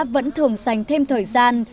vẫn thường dành thêm thời gian